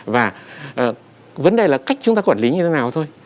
và vấn đề là cách chúng ta quản lý như thế nào thôi